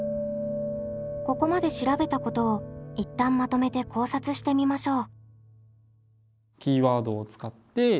ここまで調べたことを一旦まとめて考察してみましょう。